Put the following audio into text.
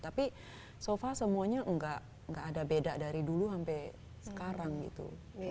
tapi so far semuanya nggak ada beda dari dulu sampai sekarang gitu